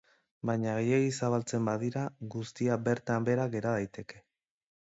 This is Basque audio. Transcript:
Baina gehiegi zabaltzen badira, guztia bertan behera gera daiteke.